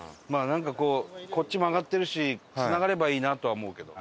なんかこうこっち曲がってるしつながればいいなとは思うけど。